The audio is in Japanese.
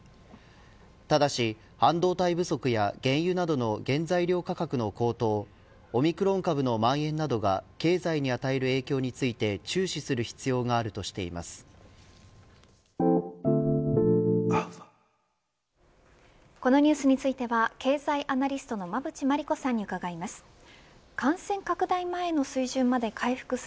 ただし、半導体不足や原油などの原材料価格の高騰オミクロン株のまん延などが経済に与える影響について注視する必要があるとしています。